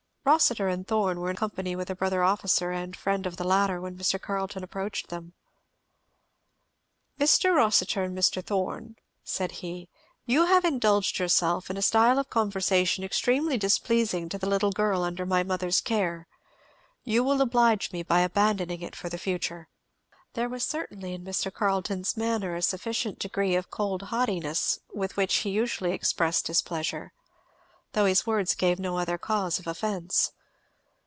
Rossitur and Thorn were in company with a brother officer and friend of the latter when Mr. Carleton approached them. "Mr. Rossitur and Mr. Thorn," said he, "you have indulged yourselves in a style of conversation extremely displeasing to the little girl under my mother's care. You will oblige me by abandoning it for the future." There was certainly in Mr. Carleton's manner a sufficient degree of the cold haughtiness with which he usually expressed displeasure; though his words gave no other cause of offence.